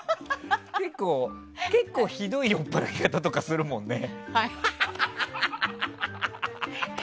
結構、ひどい酔っ払い方とかするもんね。